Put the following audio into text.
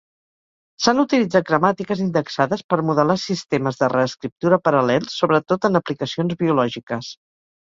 S'han utilitzat gramàtiques indexades per modelar sistemes de reescriptura paral·lels, sobre tot en aplicacions biològiques.